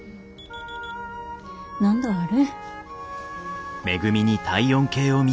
何度ある？